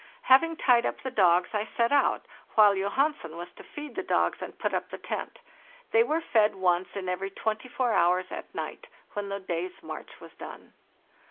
Having tied up the dogs, I set out, while Johansen was to feed the 106 PARISH ESS GOR LA dogs and put up the tent. They were fed once in every 24 hours, at night, when the day's march was done.